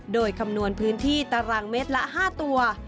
โดยคำนวณพื้นที่ตารางเมตรละ๕ตัว